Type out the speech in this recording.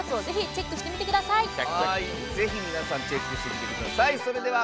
ぜひ皆さんチェックしてみてください。